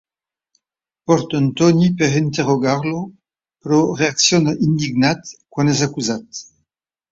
Porten Tony per interrogar-lo, però reacciona indignat quan és acusat.